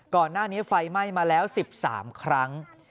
ก่อนหน้านี้ไฟไหม้มาแล้ว๑๓ครั้ง